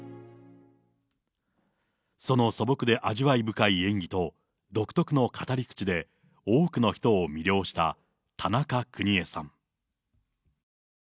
その素朴で味わい深い演技と、独特の語り口で、多くの人を魅了した田中邦衛さん。